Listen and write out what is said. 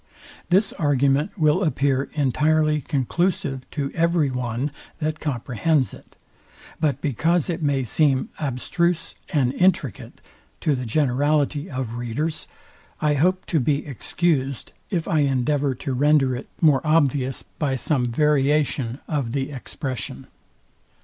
This argument will appear entirely conclusive to every one that comprehends it; but because it may seem abstruse and intricate to the generality of readers, I hope to be excused, if I endeavour to render it more obvious by some variation of the expression.